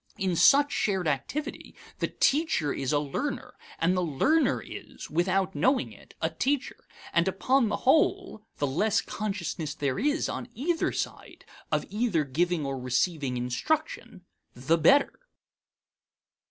In such shared activity, the teacher is a learner, and the learner is, without knowing it, a teacher and upon the whole, the less consciousness there is, on either side, of either giving or receiving instruction, the better.